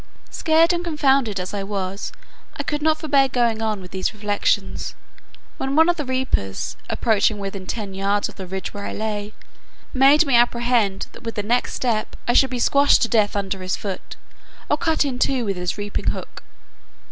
Scared and confounded as I was, I could not forbear going on with these reflections, when one of the reapers, approaching within ten yards of the ridge where I lay, made me apprehend that with the next step I should be squashed to death under his foot, or cut in two with his reaping hook.